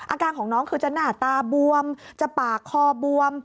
อาการของน้องคือจะหน้าตาบวมจะปากคอบวม